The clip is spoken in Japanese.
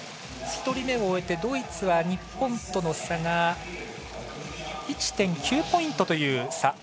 １人目終えてドイツは日本との差が１．９ポイントという差。